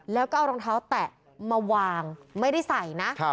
แล้วก็เอารองเท้าแตะมาวางไม่ได้ใส่นะ